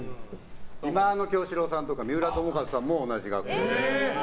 忌野清志郎さんとか三浦友和さんも同じ学校で。